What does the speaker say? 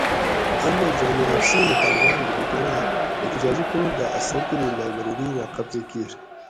ان مئ جامعہ حفصہ ایں طالباۤن لِکیٹیر اۤ احتجاجی طور دہ اۤ سرکیری لایٔبریری رہ قبضہ کِیر